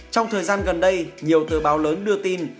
trong thời gian gần đây nhiều thời báo lớn đưa tin